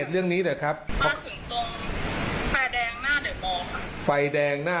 ถามกูว่ากินข้ายัง